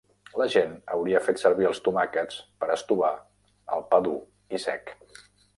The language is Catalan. La gent hauria fet servir els tomàquets per estovar el pa dur i sec.